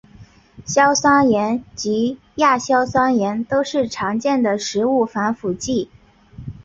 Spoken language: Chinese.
硝酸盐及亚硝酸盐都是常见的食物防腐剂。